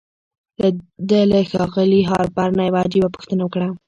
ده له ښاغلي هارپر نه يوه عجيبه پوښتنه وکړه.